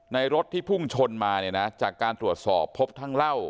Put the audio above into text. รถที่พุ่งชนมาเนี่ยนะจากการตรวจสอบพบทั้งเหล้า